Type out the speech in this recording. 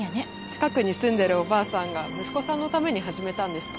近くに住んでるおばあさんが息子さんのために始めたんです。